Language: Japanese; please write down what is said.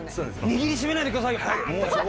握り締めないでくださいよ。